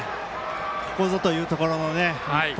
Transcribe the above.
ここぞというところの１本。